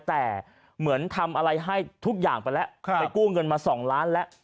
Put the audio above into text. แต่เหมือนทำอะไรให้ทุกอย่างไปแล้วไปกู้เงินมา๒ล้านแล้ว